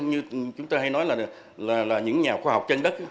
như chúng ta hay nói là những nhà khoa học trên đất